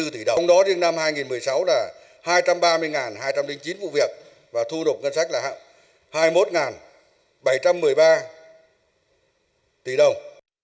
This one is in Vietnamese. bốn tỷ đồng đó riêng năm hai nghìn một mươi sáu là hai trăm ba mươi hai trăm linh chín vụ việc và thu nộp ngân sách là hai mươi một bảy trăm một mươi ba tỷ đồng